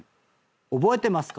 覚えてますか？